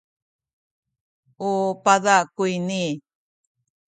u paza’ kuyni.